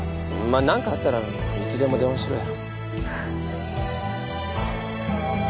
あ何かあったらいつでも電話しろよ